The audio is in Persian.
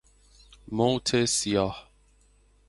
موت سیاه